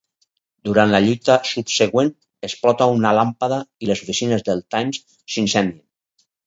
Durant la lluita subsegüent explota una làmpada i les oficines del "Times" s'incendien.